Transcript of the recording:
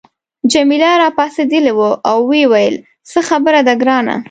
جميله راپاڅیدلې وه او ویې ویل څه خبره ده ګرانه.